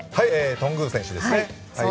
頓宮選手ですね。